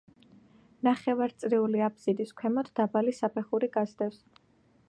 ნახევარწრიული აფსიდს ქვემოთ დაბალი საფეხური გასდევს.